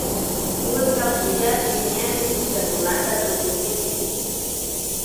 kullka pullapi ñami puchakunata tukuchinchik